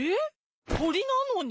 とりなのに？